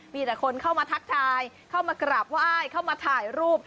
มีแต่คนเข้ามาทักทายเข้ามากราบไหว้เข้ามาถ่ายรูป